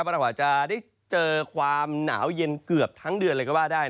เราอาจจะได้เจอความหนาวเย็นเกือบทั้งเดือนเลยก็ว่าได้